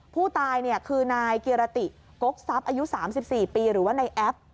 ผู้ตายคือนายเกรียรติก๊กซับอายุ๓๔ปีหรือว่าในแอป